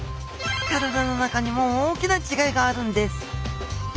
体の中にも大きな違いがあるんです